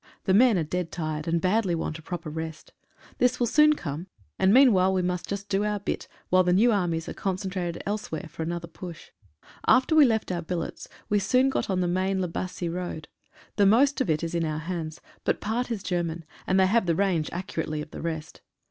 The men are dead tired, and badly want a proper rest. This will soon come, and meanwhile we must just do our bit, while the new armies are concentrated elsewhere for another push. After we left our billets we soon got on the main La Bassee road. The most of it is in our hands, but part is German, and they have the range accurately of the rest.